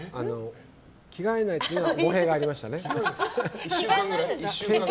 着替えないというのは語弊がありましたね。